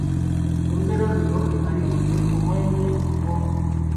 Olugero luno lumalirize: Omwenge ngo, ….